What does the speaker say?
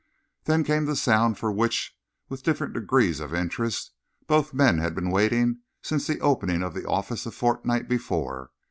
Then came the sound for which, with different degrees of interest, both men had been waiting since the opening of the offices a fortnight before.